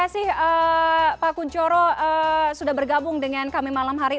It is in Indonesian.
saya bergabung dengan kami malam hari